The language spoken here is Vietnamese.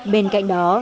bên cạnh đó